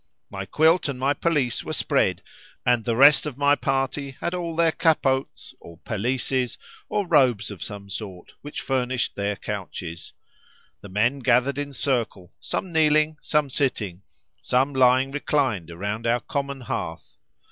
My quilt and my pelisse were spread, and the rest of my party had all their capotes or pelisses, or robes of some sort, which furnished their couches. The men gathered in circle, some kneeling, some sitting, some lying reclined around our common hearth.